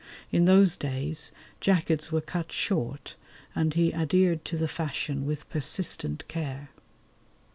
In those days jackets were cut short, and he adhered to the fashion with persistent care.